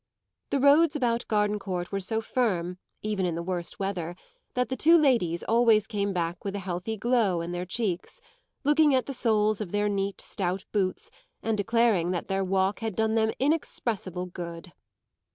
The roads about Gardencourt were so firm, even in the worst weather, that the two ladies always came back with a healthy glow in their cheeks, looking at the soles of their neat, stout boots and declaring that their walk had done them inexpressible good.